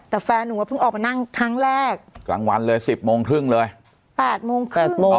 แต่แฟนหนูก็เพิ่งออกมานั่งครั้งแรกกลางวันเลยสิบโมงครึ่งเลย๘โมง๘โมง